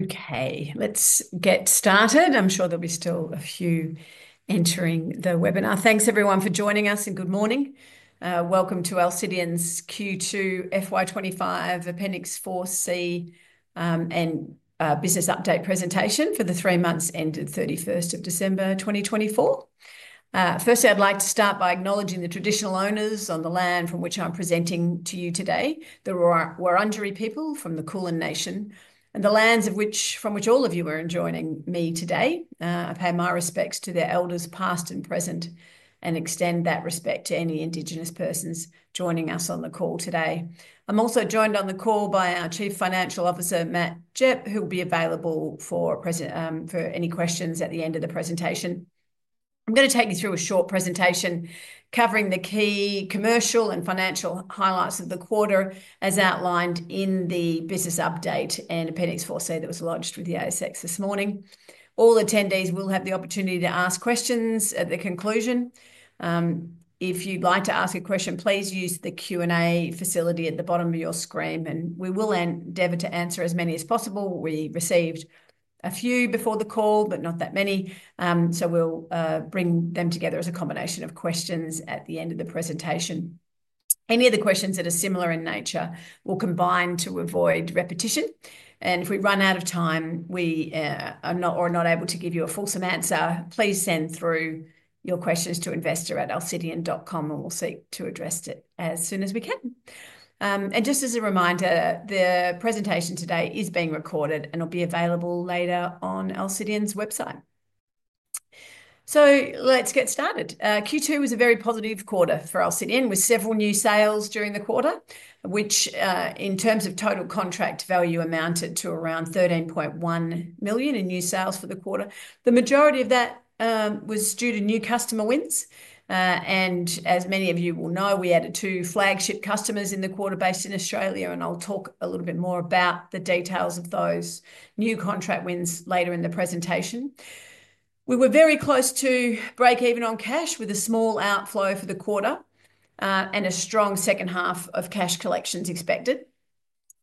Okay, let's get started. I'm sure there'll be still a few entering the webinar. Thanks, everyone, for joining us, and good morning. Welcome to Alcidion's Q2 FY25 Appendix 4C, and business update presentation for the three months ended 31 December 2024. First, I'd like to start by acknowledging the traditional owners on the land from which I'm presenting to you today, the Wurundjeri People from the Kulin Nation, and the lands from which all of you are joining me today. I pay my respects to their elders, past and present, and extend that respect to any Indigenous persons joining us on the call today. I'm also joined on the call by our Chief Financial Officer, Matt Gepp, who will be available for any questions at the end of the presentation. I'm going to take you through a short presentation covering the key commercial and financial highlights of the quarter, as outlined in the business update and Appendix 4C that was lodged with the ASX this morning. All attendees will have the opportunity to ask questions at the conclusion. If you'd like to ask a question, please use the Q&A facility at the bottom of your screen, and we will endeavor to answer as many as possible. We received a few before the call, but not that many. So we'll bring them together as a combination of questions at the end of the presentation. Any of the questions that are similar in nature will combine to avoid repetition. If we run out of time, we are not able to give you a fulsome answer, please send through your questions to investor@alcidion.com, and we'll seek to address it as soon as we can. And just as a reminder, the presentation today is being recorded and will be available later on Alcidion's website. So let's get started. Q2 was a very positive quarter for Alcidion, with several new sales during the quarter, which, in terms of total contract value, amounted to around 13.1 million in new sales for the quarter. The majority of that was due to new customer wins. And as many of you will know, we added two flagship customers in the quarter based in Australia, and I'll talk a little bit more about the details of those new contract wins later in the presentation. We were very close to break even on cash, with a small outflow for the quarter, and a strong second half of cash collections expected.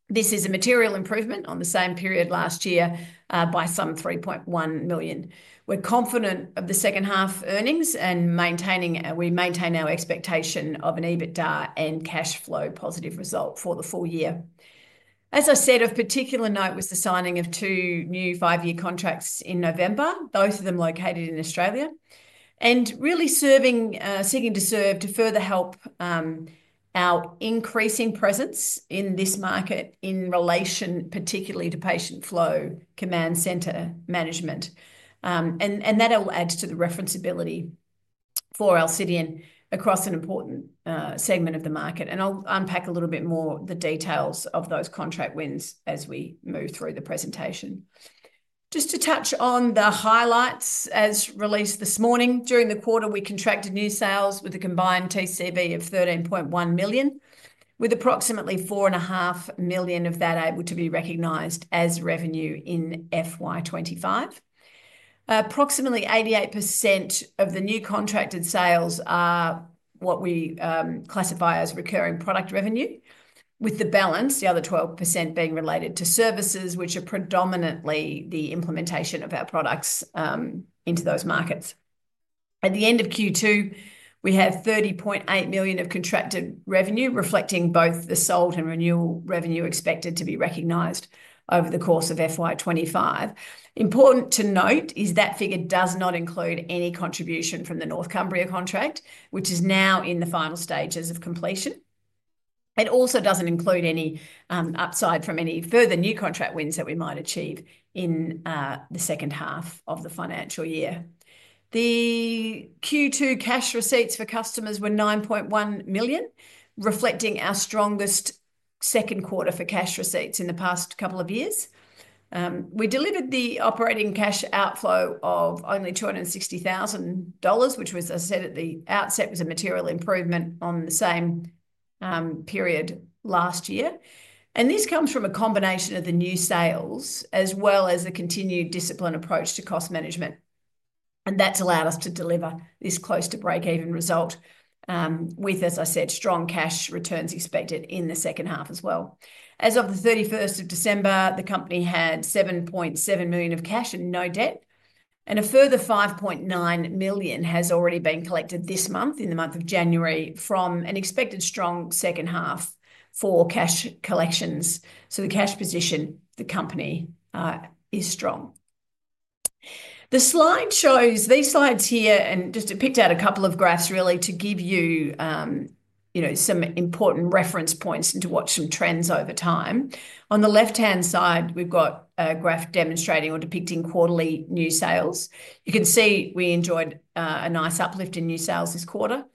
This is a material improvement on the same period last year, by 3.1 million. We're confident of the second half earnings and we maintain our expectation of an EBITDA and cash flow positive result for the full year. As I said, of particular note was the signing of two new five-year contracts in November, both of them located in Australia, and really seeking to further help our increasing presence in this market in relation particularly to patient flow command centre management. And that'll add to the referenceability for Alcidion across an important segment of the market. I'll unpack a little bit more the details of those contract wins as we move through the presentation. Just to touch on the highlights as released this morning, during the quarter, we contracted new sales with a combined TCV of 13.1 million, with approximately 4.5 million of that able to be recognized as revenue in FY25. Approximately 88% of the new contracted sales are what we classify as recurring product revenue, with the balance, the other 12% being related to services, which are predominantly the implementation of our products into those markets. At the end of Q2, we have 30.8 million of contracted revenue, reflecting both the sold and renewal revenue expected to be recognized over the course of FY25. Important to note is that figure does not include any contribution from the North Cumbria contract, which is now in the final stages of completion. It also doesn't include any upside from any further new contract wins that we might achieve in the second half of the financial year. The Q2 cash receipts from customers were 9.1 million, reflecting our strongest Q2 for cash receipts in the past couple of years. We delivered the operating cash outflow of only 260,000 dollars, which was, as I said at the outset, a material improvement on the same period last year. And this comes from a combination of the new sales as well as the continued disciplined approach to cost management. And that's allowed us to deliver this close to break-even result, with, as I said, strong cash returns expected in the second half as well. As of the 31st of December, the company had 7.7 million of cash and no debt, and a further 5.9 million has already been collected this month, in the month of January, from an expected strong second half for cash collections. So the cash position of the company is strong. The slide shows these slides here, and just to pick out a couple of graphs really to give you, you know, some important reference points and to watch some trends over time. On the left-hand side, we've got a graph demonstrating or depicting quarterly new sales. You can see we enjoyed a nice uplift in new sales this quarter.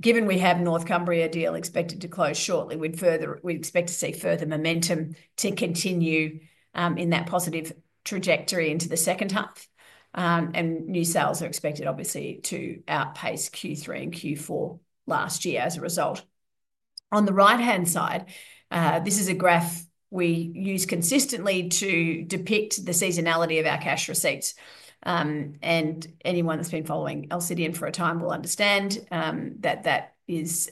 Given we have North Cumbria deal expected to close shortly, we'd expect to see further momentum to continue in that positive trajectory into the second half. And new sales are expected, obviously, to outpace Q3 and Q4 last year as a result. On the right-hand side, this is a graph we use consistently to depict the seasonality of our cash receipts. And anyone that's been following Alcidion for a time will understand that that is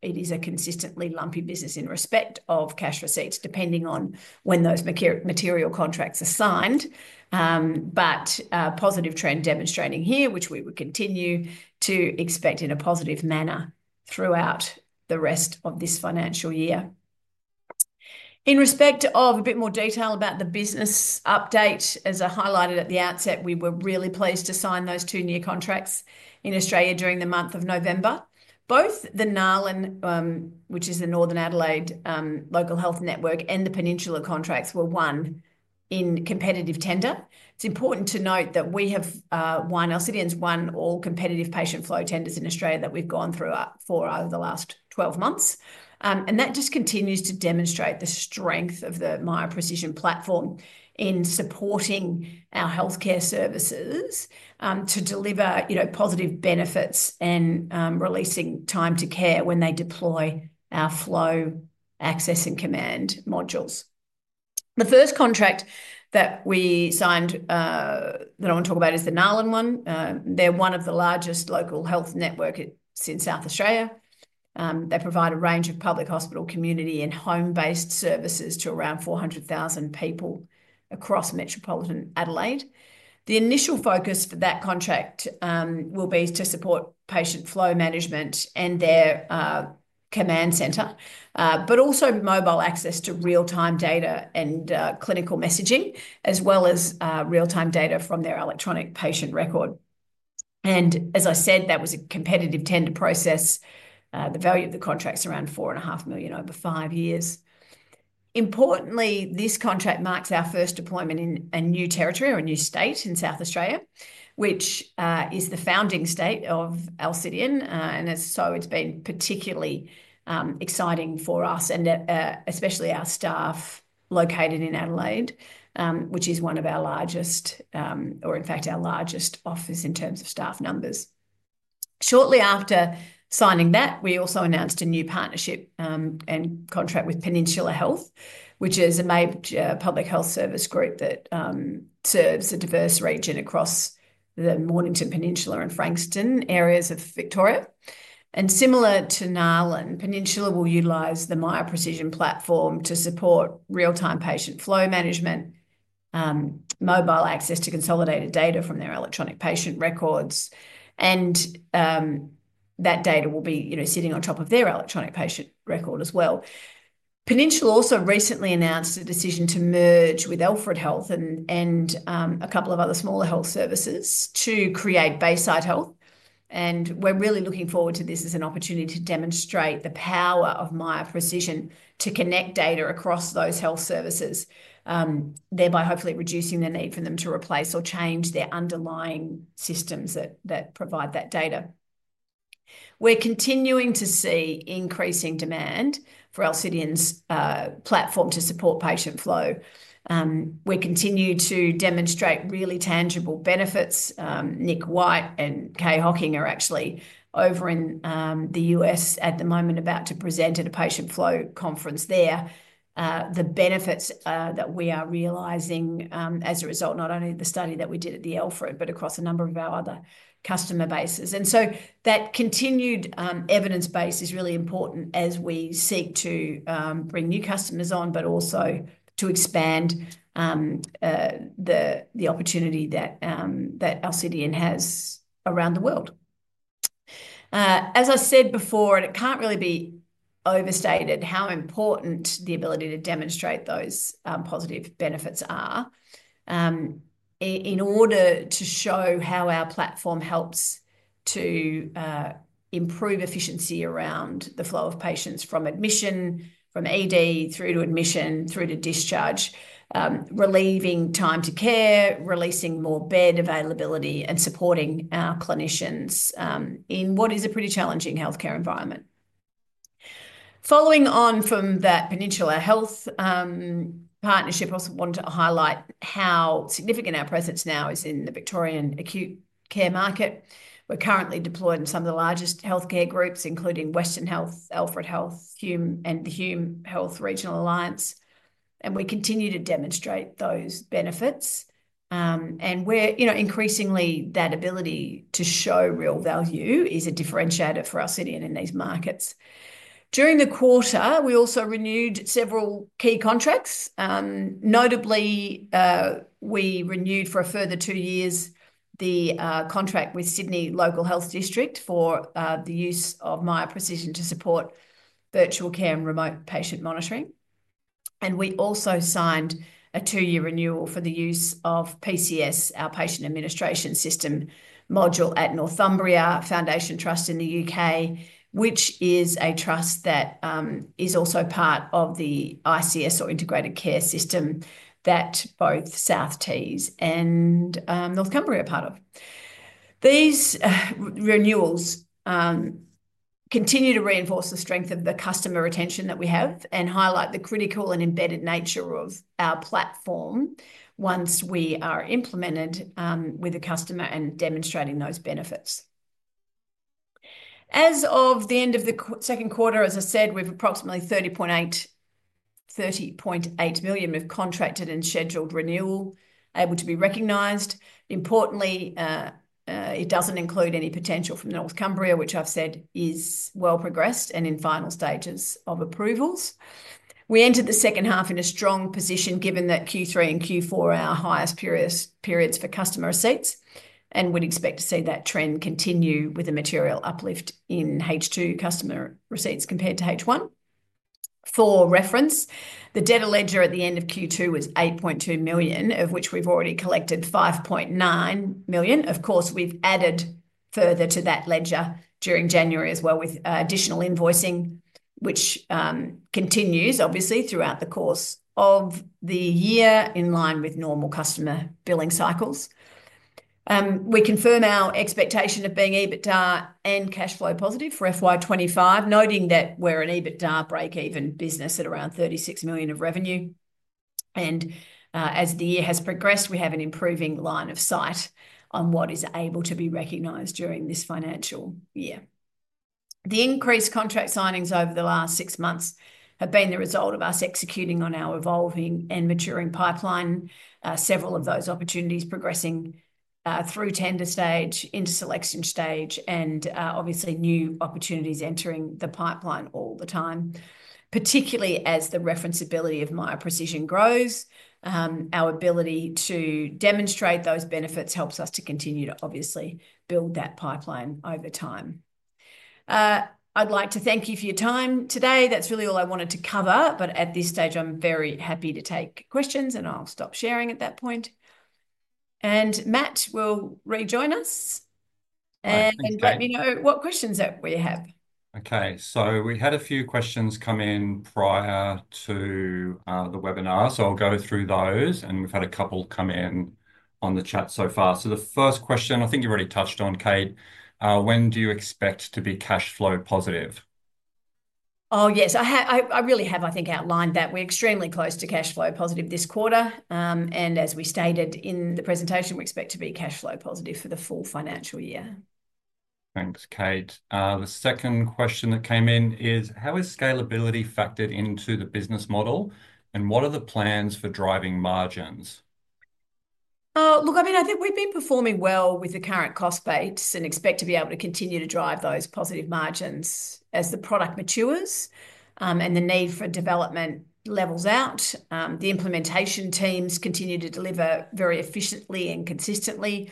it is a consistently lumpy business in respect of cash receipts, depending on when those material contracts are signed. But positive trend demonstrating here, which we would continue to expect in a positive manner throughout the rest of this financial year. In respect of a bit more detail about the business update, as I highlighted at the outset, we were really pleased to sign those two new contracts in Australia during the month of November. Both the NAL and, which is the Northern Adelaide Local Health Network and the Peninsula contracts were won in competitive tender. It's important to note that Alcidion has won all competitive patient flow tenders in Australia that we've gone through for over the last 12 months. And that just continues to demonstrate the strength of the Miya Precision platform in supporting our healthcare services to deliver, you know, positive benefits and releasing time to care when they deploy our Flow, Access, and Command modules. The first contract that we signed that I want to talk about is the NALHN. They're one of the largest local health networks in South Australia. They provide a range of public hospital, community, and home-based services to around 400,000 people across metropolitan Adelaide. The initial focus for that contract will be to support patient flow management and their command centre, but also mobile access to real-time data and clinical messaging, as well as real-time data from their electronic patient record. As I said, that was a competitive tender process. The value of the contract's around 4.5 million over five years. Importantly, this contract marks our first deployment in a new territory or a new state in South Australia, which is the founding state of Alcidion, and so it's been particularly exciting for us and especially our staff located in Adelaide, which is one of our largest, or in fact our largest office in terms of staff numbers. Shortly after signing that, we also announced a new partnership and contract with Peninsula Health, which is a major public health service group that serves a diverse region across the Mornington Peninsula and Frankston areas of Victoria. Similar to NAL and Peninsula, we'll utilize the Miya Precision platform to support real-time patient flow management, mobile access to consolidated data from their electronic patient records. And, that data will be, you know, sitting on top of their electronic patient record as well. Peninsula also recently announced a decision to merge with Alfred Health and a couple of other smaller health services to create Bayside Health. And we're really looking forward to this as an opportunity to demonstrate the power of Miya Precision to connect data across those health services, thereby hopefully reducing the need for them to replace or change their underlying systems that provide that data. We're continuing to see increasing demand for Alcidion's platform to support patient flow. We continue to demonstrate really tangible benefits. Nick White and Kaye Hocking are actually over in the US at the moment about to present at a patient flow conference there. The benefits that we are realizing as a result, not only of the study that we did at the Alfred, but across a number of our other customer bases. And so that continued evidence base is really important as we seek to bring new customers on, but also to expand the opportunity that Alcidion has around the world. As I said before, and it can't really be overstated how important the ability to demonstrate those positive benefits are in order to show how our platform helps to improve efficiency around the flow of patients from admission, from ED through to admission through to discharge, relieving time to care, releasing more bed availability, and supporting our clinicians in what is a pretty challenging healthcare environment. Following on from that Peninsula Health partnership, I also want to highlight how significant our presence now is in the Victorian acute care market. We're currently deployed in some of the largest healthcare groups, including Western Health, Alfred Health, Hume, and the Hume Rural Health Alliance. We continue to demonstrate those benefits, and we're, you know, increasingly that ability to show real value is a differentiator for Alcidion in these markets. During the quarter, we also renewed several key contracts. Notably, we renewed for a further two years the contract with Sydney Local Health District for the use of Miya Precision to support virtual care and remote patient monitoring. We also signed a two-year renewal for the use of PCS, our patient administration system module at Northumbria Foundation Trust in the UK, which is a trust that is also part of the ICS or Integrated Care System that both South Tees and North Cumbria are part of. These renewals continue to reinforce the strength of the customer retention that we have and highlight the critical and embedded nature of our platform once we are implemented with a customer and demonstrating those benefits. As of the end of the Q2, as I said, we have approximately 30.8 million of contracted and scheduled renewal able to be recognised. Importantly, it doesn't include any potential from North Cumbria, which I've said is well progressed and in final stages of approvals. We entered the second half in a strong position given that Q3 and Q4 are our highest periods for customer receipts and would expect to see that trend continue with a material uplift in H2 customer receipts compared to H1. For reference, the debtor ledger at the end of Q2 was 8.2 million, of which we've already collected 5.9 million. Of course, we've added further to that ledger during January as well with additional invoicing, which continues obviously throughout the course of the year in line with normal customer billing cycles. We confirm our expectation of being EBITDA and cash flow positive for FY25, noting that we're an EBITDA break-even business at around 36 million of revenue. And, as the year has progressed, we have an improving line of sight on what is able to be recognized during this financial year. The increased contract signings over the last six months have been the result of us executing on our evolving and maturing pipeline, several of those opportunities progressing through tender stage into selection stage and obviously new opportunities entering the pipeline all the time, particularly as the referenceability of Miya Precision grows. Our ability to demonstrate those benefits helps us to continue to obviously build that pipeline over time. I'd like to thank you for your time today. That's really all I wanted to cover, but at this stage, I'm very happy to take questions and I'll stop sharing at that point. Matt will rejoin us and let me know what questions that we have. Okay, so we had a few questions come in prior to the webinar, so I'll go through those and we've had a couple come in on the chat so far. So the first question I think you've already touched on, Kate, when do you expect to be cash flow positive? Oh yes, I have. I really have. I think outlined that we're extremely close to cash flow positive this quarter, and as we stated in the presentation, we expect to be cash flow positive for the full financial year. Thanks, Kate. The second question that came in is how is scalability factored into the business model and what are the plans for driving margins? Oh, look, I mean, I think we've been performing well with the current cost base and expect to be able to continue to drive those positive margins as the product matures, and the need for development levels out. The implementation teams continue to deliver very efficiently and consistently.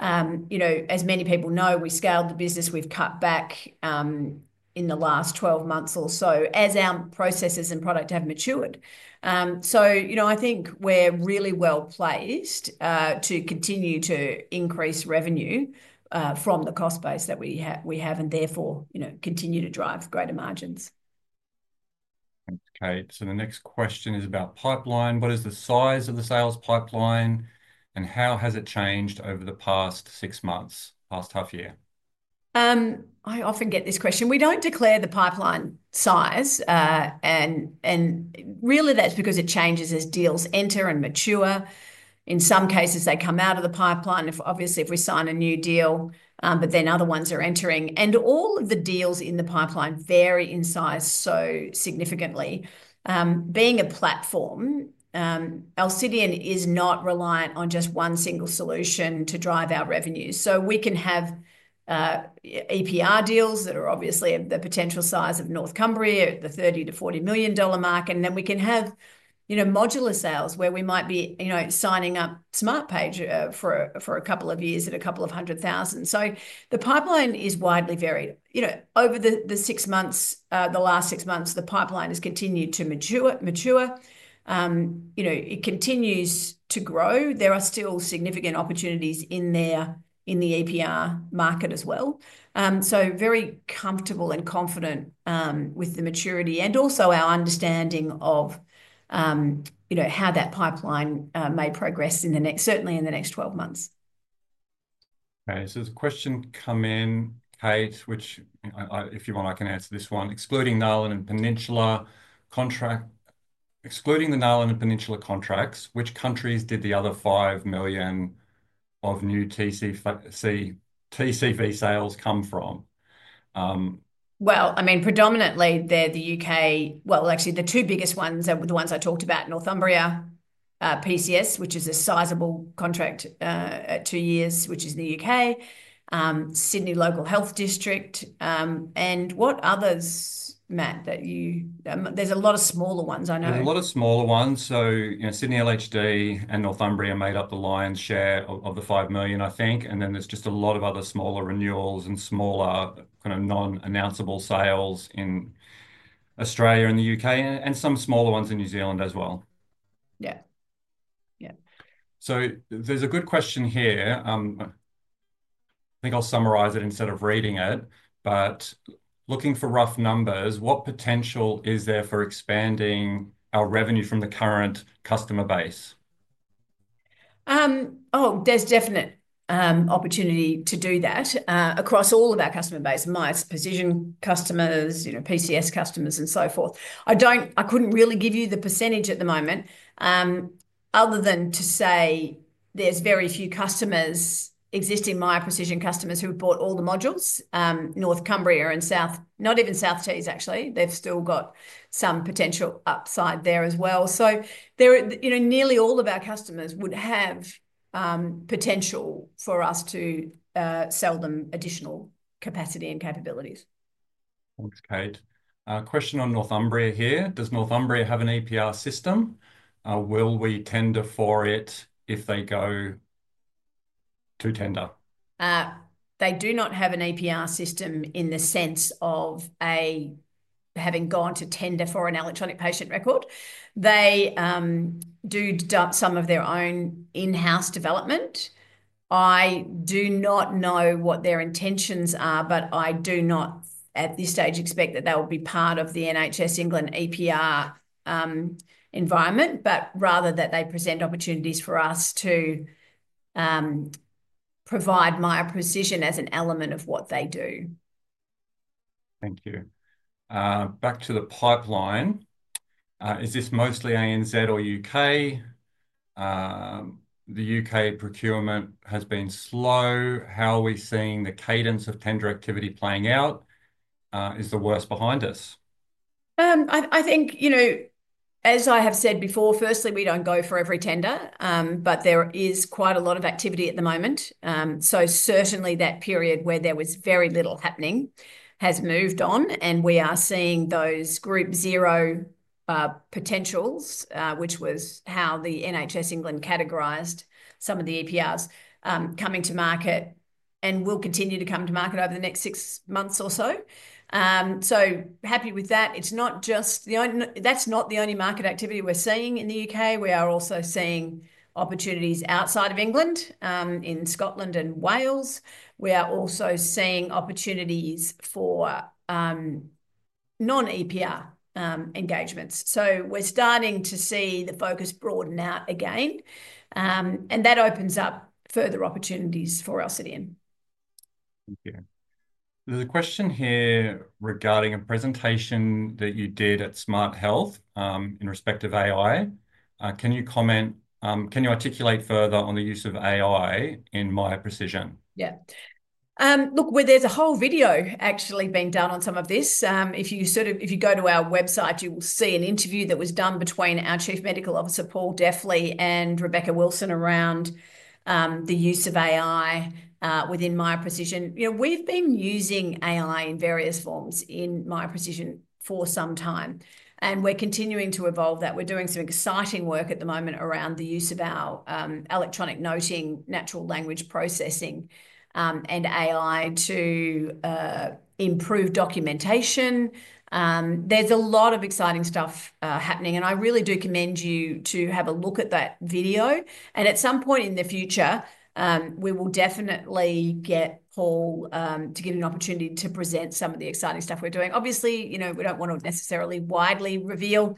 You know, as many people know, we scaled the business, we've cut back, in the last 12 months or so as our processes and product have matured. So, you know, I think we're really well placed, to continue to increase revenue, from the cost base that we have, we have and therefore, you know, continue to drive greater margins. Thanks, Kate. So the next question is about pipeline. What is the size of the sales pipeline and how has it changed over the past six months, past half year? I often get this question. We don't declare the pipeline size, and really that's because it changes as deals enter and mature. In some cases, they come out of the pipeline, if obviously we sign a new deal, but then other ones are entering and all of the deals in the pipeline vary in size so significantly. Being a platform, Alcidion is not reliant on just one single solution to drive our revenue, so we can have, EPR deals that are obviously of the potential size of North Cumbria at the 30-40 million dollar mark, and then we can have, you know, modular sales where we might be, you know, signing up SmartPage for a couple of years at 200,000. So the pipeline is widely varied, you know, over the six months, the last six months, the pipeline has continued to mature. You know, it continues to grow. There are still significant opportunities in there, in the EPR market as well. So very comfortable and confident, with the maturity and also our understanding of, you know, how that pipeline may progress in the next, certainly in the next 12 months. Okay, so there's a question come in, Kate, which, if you want, I can answer this one. Excluding NAL and Peninsula contract, excluding the NAL and Peninsula contracts, which countries did the other 5 million of new TCV sales come from? Well, I mean, predominantly they're the UK. Well, actually the two biggest ones are the ones I talked about, Northumbria PCS, which is a sizable contract at two years, which is the UK, Sydney Local Health District. And what others, Matt, that you, there's a lot of smaller ones, I know. There's a lot of smaller ones. So, you know, Sydney LHD and Northumbria made up the lion's share of the 5 million, I think. And then there's just a lot of other smaller renewals and smaller kind of non-announceable sales in Australia and the UK and some smaller ones in New Zealand as well. Yeah. Yeah. So there's a good question here. I think I'll summarise it instead of reading it, but looking for rough numbers, what potential is there for expanding our revenue from the current customer base? Oh, there's definite opportunity to do that across all of our customer base, Miya Precision customers, you know, PCS customers and so forth. I don't, I couldn't really give you the percentage at the moment, other than to say there's very few existing Miya Precision customers who bought all the modules, North Cumbria and South Tees, not even South Tees actually, they've still got some potential upside there as well. So there, you know, nearly all of our customers would have potential for us to sell them additional capacity and capabilities. Thanks, Kate. Question on Northumbria here. Does Northumbria have an EPR system? Will we tender for it if they go to tender? They do not have an EPR system in the sense of having gone to tender for an electronic patient record. They do some of their own in-house development. I do not know what their intentions are, but I do not at this stage expect that they will be part of the NHS England EPR environment, but rather that they present opportunities for us to provide Miya Precision as an element of what they do. Thank you. Back to the pipeline. Is this mostly ANZ or UK? The UK procurement has been slow. How are we seeing the cadence of tender activity playing out? Is the worst behind us? I, I think, you know, as I have said before, firstly, we don't go for every tender, but there is quite a lot of activity at the moment. So certainly that period where there was very little happening has moved on and we are seeing those Group Zero potentials, which was how the NHS England categorised some of the EPRs, coming to market and will continue to come to market over the next six months or so. So happy with that. It's not just the only, that's not the only market activity we're seeing in the UK. We are also seeing opportunities outside of England, in Scotland and Wales. We are also seeing opportunities for non-EPR engagements. So we're starting to see the focus broaden out again. And that opens up further opportunities for Alcidion. Thank you. There's a question here regarding a presentation that you did at Smart Health, in respect of AI. Can you comment, can you articulate further on the use of AI in Miya Precision? Yeah. Look, where there's a whole video actually being done on some of this, if you sort of, if you go to our website, you will see an interview that was done between our Chief Medical Officer, Paul Deffley, and Rebecca Wilson around, the use of AI, within Miya Precision. You know, we've been using AI in various forms in Miya Precision for some time and we're continuing to evolve that. We're doing some exciting work at the moment around the use of our, electronic noting, natural language processing, and AI to, improve documentation. There's a lot of exciting stuff, happening and I really do commend you to have a look at that video. And at some point in the future, we will definitely get Paul, to give you an opportunity to present some of the exciting stuff we're doing. Obviously, you know, we don't want to necessarily widely reveal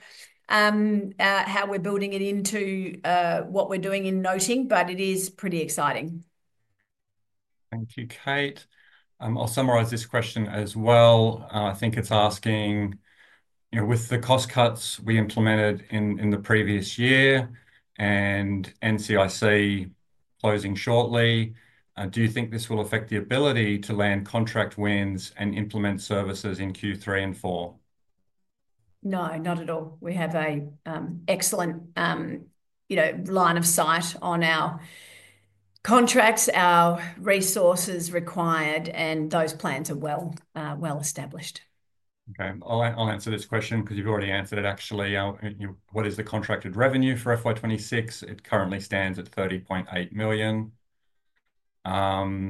how we're building it into what we're doing in noting, but it is pretty exciting. Thank you, Kate. I'll summarize this question as well. I think it's asking, you know, with the cost cuts we implemented in the previous year and NCIC closing shortly, do you think this will affect the ability to land contract wins and implement services in Q3 and Q4? No, not at all. We have an excellent, you know, line of sight on our contracts, our resources required, and those plans are well established. Okay. I'll answer this question because you've already answered it actually. You know, what is the contracted revenue for FY26? It currently stands at 30.8 million. I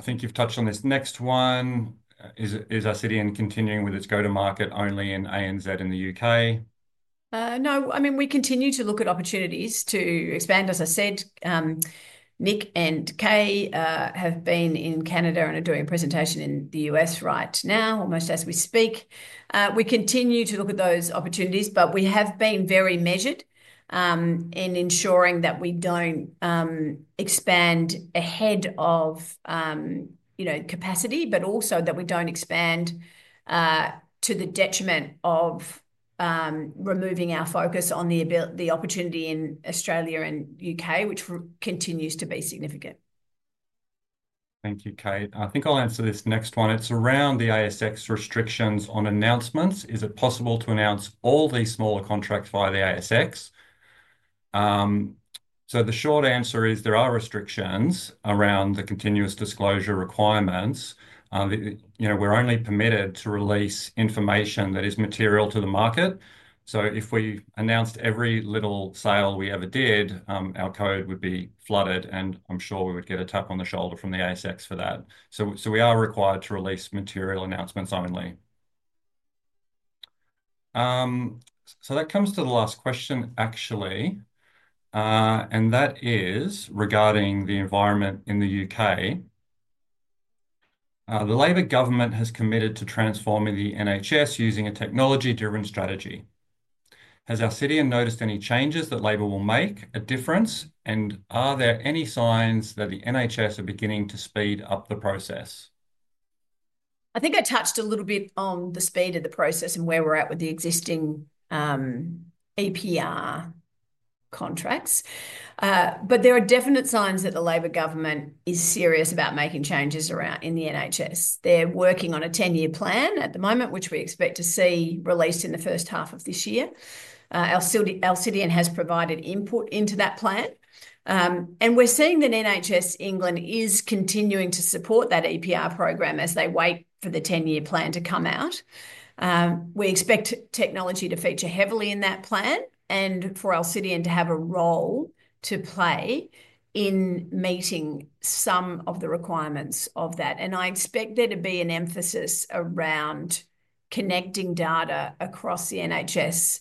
think you've touched on this next one. Is Alcidion continuing with its go-to-market only in ANZ in the UK? No, I mean, we continue to look at opportunities to expand. As I said, Nick and Kaye have been in Canada and are doing a presentation in the US right now, almost as we speak. We continue to look at those opportunities, but we have been very measured in ensuring that we don't expand ahead of, you know, capacity, but also that we don't expand to the detriment of removing our focus on the ability, the opportunity in Australia and UK, which continues to be significant. Thank you, Kate. I think I'll answer this next one. It's around the ASX restrictions on announcements. Is it possible to announce all these smaller contracts via the ASX? So the short answer is there are restrictions around the continuous disclosure requirements. You know, we're only permitted to release information that is material to the market. So if we announced every little sale we ever did, our code would be flooded and I'm sure we would get a tap on the shoulder from the ASX for that. So we are required to release material announcements only. So that comes to the last question actually, and that is regarding the environment in the U.K. The Labour government has committed to transforming the NHS using a technology-driven strategy. Has Alcidion noticed any changes that Labour will make a difference? And are there any signs that the NHS are beginning to speed up the process? I think I touched a little bit on the speed of the process and where we're at with the existing EPR contracts. But there are definite signs that the Labour government is serious about making changes around in the NHS. They're working on a 10-year plan at the moment, which we expect to see released in the first half of this year. Alcidion has provided input into that plan, and we're seeing that NHS England is continuing to support that EPR program as they wait for the 10-year plan to come out. We expect technology to feature heavily in that plan and for Alcidion to have a role to play in meeting some of the requirements of that. And I expect there to be an emphasis around connecting data across the NHS.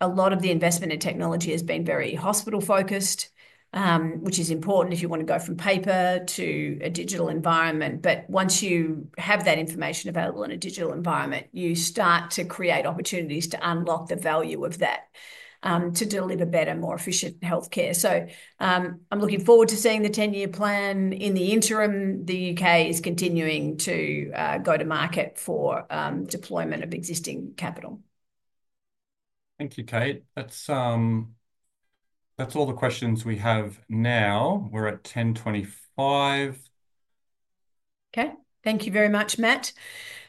A lot of the investment in technology has been very hospital-focused, which is important if you want to go from paper to a digital environment. But once you have that information available in a digital environment, you start to create opportunities to unlock the value of that, to deliver better, more efficient healthcare. So, I'm looking forward to seeing the 10-year plan. In the interim, the UK is continuing to go to market for deployment of existing capital. Thank you, Kate. That's, that's all the questions we have now. We're at 10:25 A.M. Okay. Thank you very much, Matt.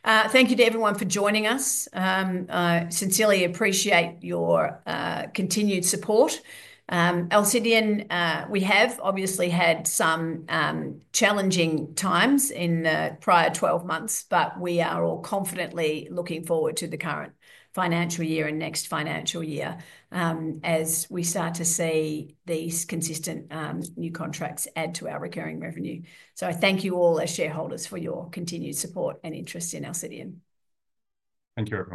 Thank you to everyone for joining us. I sincerely appreciate your continued support. Alcidion, we have obviously had some challenging times in the prior 12 months, but we are all confidently looking forward to the current financial year and next financial year, as we start to see these consistent new contracts add to our recurring revenue. So I thank you all as shareholders for your continued support and interest in Alcidion. Thank you.